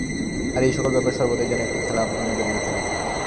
আর এই সকল ব্যাপার সর্বদাই যেন একটা খেলার আবরণে জড়িত থাকিত।